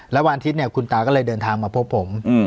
แล้ววันอาทิตย์เนี่ยคุณตาก็เลยเดินทางมาพบผม